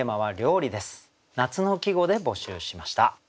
夏の季語で募集しました。